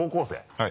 はい。